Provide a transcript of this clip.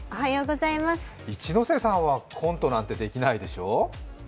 一ノ瀬さんはコントなんてできないでしょう？